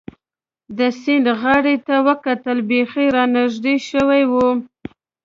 د سیند غاړې ته وکتل، بېخي را نږدې شوي و.